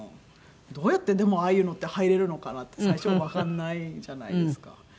どうやってでもああいうのって入れるのかなって最初わかんないじゃないですか。